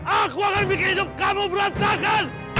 aku akan bikin hidup kamu berantakan